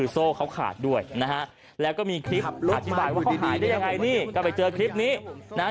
โซ่เขาขาดด้วยนะฮะแล้วก็มีคลิปอธิบายว่าหายได้ยังไงนี่ก็ไปเจอคลิปนี้นะฮะ